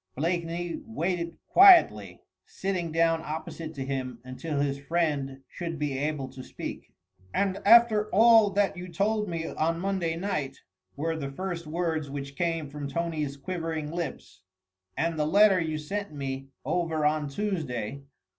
Blakeney waited quietly, sitting down opposite to him, until his friend should be able to speak. "And after all that you told me on Monday night!" were the first words which came from Tony's quivering lips, "and the letter you sent me over on Tuesday!